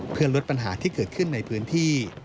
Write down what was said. เพื่อลดปัญหาที่เกิดขึ้นในพื้นที่